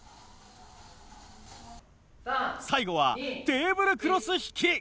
最後はテーブルクロス引き。